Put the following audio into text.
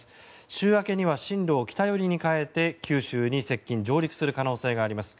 週明けには進路を北寄りに変えて九州に接近・上陸する可能性があります。